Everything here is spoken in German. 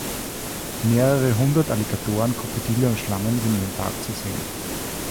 Mehrere Hundert Alligatoren, Krokodile und Schlangen sind in dem Park zu sehen.